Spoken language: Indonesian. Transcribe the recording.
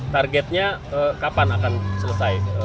targetnya kapan akan selesai